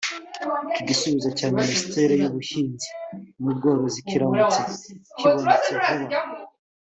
Iki gisubozo cya Minisiteri y’Ubuhinzi n’Ubworozi kiramutse kibonetse vuba